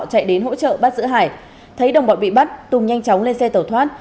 chạy đến hỗ trợ bắt giữ hải thấy đồng bọn bị bắt tùng nhanh chóng lên xe tẩu thoát